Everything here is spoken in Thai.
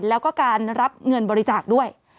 แล้วก็การรับเงินบริจาคด้วย